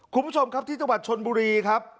คุณผู้ชมครับที่ตะวัดถมูลคลองกิ๋วครับ